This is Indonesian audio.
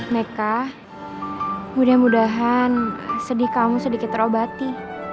meka mudah mudahan sedih kamu sedikit terobati